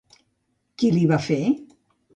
Qui li va fer?